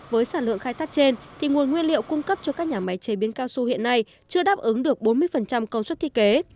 với sản lượng khai thác trên thì nguồn nguyên liệu cung cấp cho các nhà máy chế biến cao su hiện nay chưa đáp ứng được bốn mươi công suất thiết kế